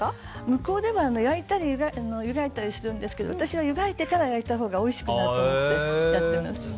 向こうでは焼いたり湯がいたりするんですけど私は湯がいてから焼いたほうがおいしくなると思ってやっています。